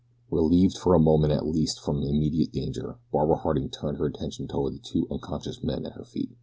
Relieved for a moment at least from immediate danger Barbara Harding turned her attention toward the two unconscious men at her feet.